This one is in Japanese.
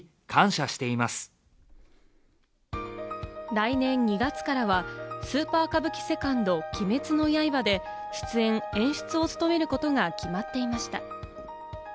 来年２月からは『スーパー歌舞伎２鬼滅の刃』で、出演・演出を務めることが決まっていました。